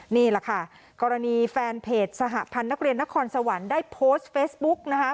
นี่แหละค่ะกรณีแฟนเพจสหพันธ์นักเรียนนครสวรรค์ได้โพสต์เฟซบุ๊กนะคะ